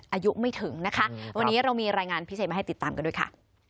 อายุไม่ถึงนะคะวันนี้เรามีรายงานพิเศษมาให้ติดตามกันด้วยค่ะ